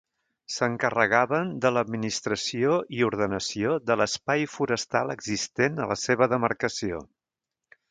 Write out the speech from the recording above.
S'encarregaven de l'administració i ordenació de l'espai forestal existent a la seva demarcació.